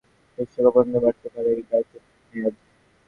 Asia cup এবং T twenty বিশ্বকাপ পর্যন্তও বাড়তে পারে তাঁর দায়িত্বের মেয়াদ।